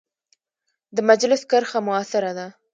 د مجلس کرښه مؤثره ده.